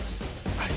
はい。